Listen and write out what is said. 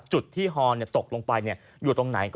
จุดที่ฮอนตกลงไปอยู่ตรงไหน